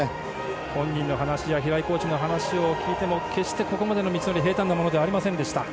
本人の話や平井コーチの話を聞いても決してここまでの道のりは平たんなものではありませんでした。